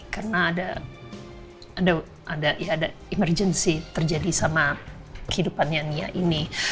karena ada ya ada emergency terjadi sama kehidupannya nia ini